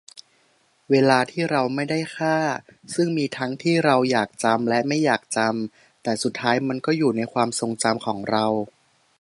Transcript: เวลาที่เราไม่ได้ฆ่า ซึ่งมีทั้งที่เราอยากจำและไม่อยากจำ แต่สุดท้ายมันก็อยู่ในความทรงจำของเรา